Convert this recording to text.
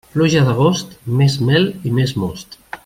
Pluja d'agost, més mel i més most.